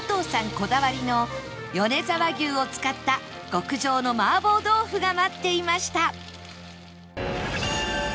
こだわりの米沢牛を使った極上の麻婆豆腐が待っていました